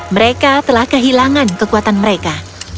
mereka telah kehilangan kekuatan mereka